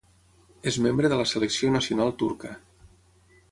És membre de la selecció nacional turca.